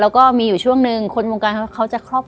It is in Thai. และยินดีต้อนรับทุกท่านเข้าสู่เดือนพฤษภาคมครับ